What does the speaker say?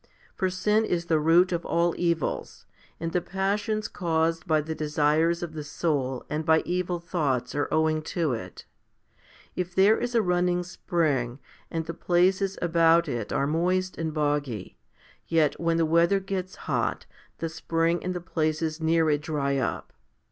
For sin is the root of all evils, and the passions caused by the desires of the soul and by evil thoughts are owing to it. If there is a running spring, and the places about it are moist and boggy, yet when the weather gets hot, the spring and the places near it dry up.